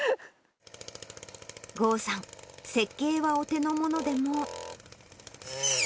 豪さん、設計はお手のものでも。